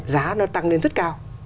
giá nó tăng lên rất cao